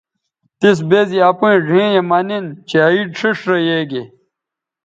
تِس بے زی اپیئں ڙھیئں یے مہ نِن چہء عید ݜیئݜ رے یے گے